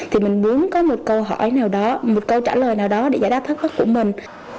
thì mình muốn có một câu hỏi nào đó một câu trả lời nào đó để giải đáp thất vọng của mình